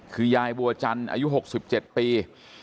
คือยายบัวจันทร์อายุ๖๗ปี